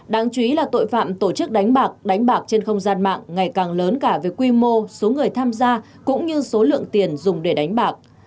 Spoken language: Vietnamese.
đáng chú ý là tội phạm tổ chức đánh bạc đánh bạc trên không gian mạng ngày càng lớn cả về quy mô số người tham gia cũng như số lượng tiền dùng để đánh bạc